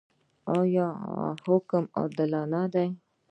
آیا محاکم عادلانه دي؟